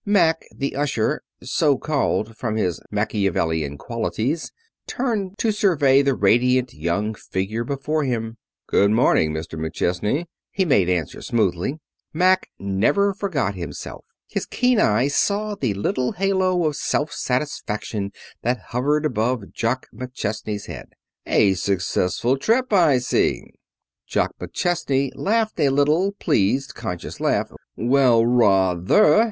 Mack, the usher, so called from his Machiavellian qualities, turned to survey the radiant young figure before him. "Good morning, Mr. McChesney," he made answer smoothly. Mack never forgot himself. His keen eye saw the little halo of self satisfaction that hovered above Jock McChesney's head. "A successful trip, I see." Jock McChesney laughed a little, pleased, conscious laugh. "Well, raw thah!"